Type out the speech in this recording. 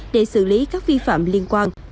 để xử lý các vi phạm liên quan